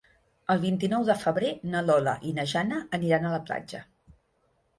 El vint-i-nou de febrer na Lola i na Jana aniran a la platja.